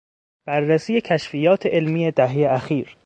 بررسی کشفیات علمی دههی اخیر